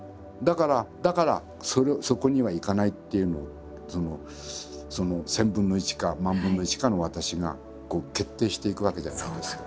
だからそこにはいかないっていうのを千分の一か万分の一かの私が決定していくわけじゃないですか。